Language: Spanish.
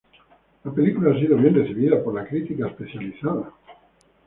La película ha sido bien recibida por la crítica especializada.